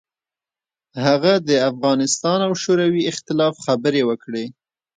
هغه د افغانستان او شوروي اختلاف خبرې وکړې.